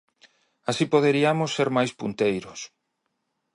Así poderiamos ser máis punteiros.